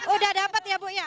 udah dapat ya bu ya